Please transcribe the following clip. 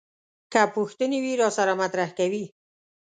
که پوښتنې وي راسره مطرح کوي.